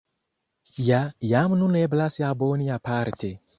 Ja jam nun eblas aboni aparte.